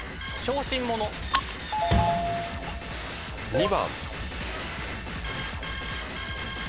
２番。